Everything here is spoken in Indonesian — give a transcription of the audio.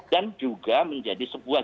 dan juga menjadi sebuah